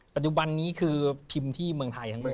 ปัจจุบันนี้คือพิมพ์ที่เมืองไทยทั้งหมด